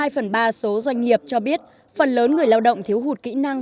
hai phần ba số doanh nghiệp cho biết phần lớn người lao động thiếu hụt kỹ năng